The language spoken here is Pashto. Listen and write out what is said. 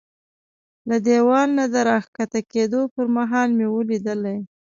له دېوال نه د را کښته کېدو پر مهال مې ولیدلې.